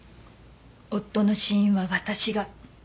夫の死因は私が。